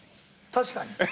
確かに。